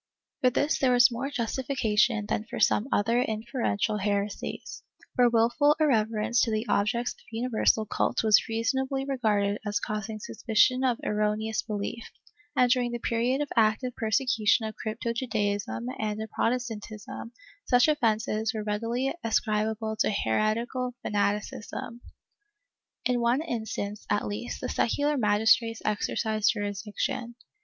For this there was more justification than for some other inferential heresies, for wilful irreverence to the objects of universal cult was reasonably regarded as causing suspicion of erroneous belief, and during the period of active persecution of crypto Judaism and of Protestantism such offences were readily ascribable to heretical fanaticism. In one instance, at least, the secular magistrates exercised jurisdiction.